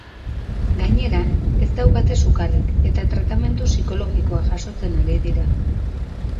Gainera, ez daukate sukarrik eta tratamendu psikologikoa jasotzen ari dira.